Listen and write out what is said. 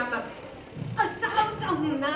ที่๖๔คือแหละ